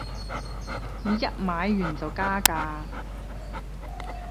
你一買完就加價